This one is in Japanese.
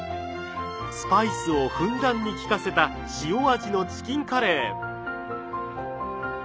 スパイスをふんだんに利かせた塩味のチキンカレー。